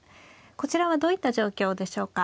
こちらはどういった状況でしょうか。